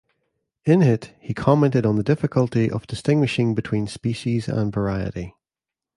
In it, he commented on the difficulty of distinguishing "between species and variety".